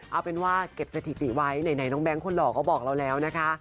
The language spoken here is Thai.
เอาเป็นว่าเก็บสถิติไว้ไหนน้องแก๊งคนหล่อก็บอกเราแล้วนะคะ